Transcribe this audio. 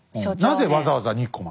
なぜわざわざ日光まで？